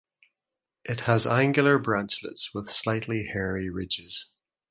It has angular branchlets with slightly hairy ridges.